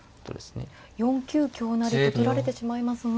４九香成と取られてしまいますが。